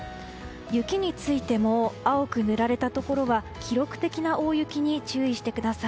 雪についても青く塗られたところは記録的な大雪に注意してください。